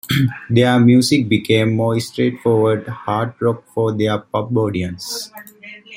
Their music became more straightforward hard rock for their pub audiences.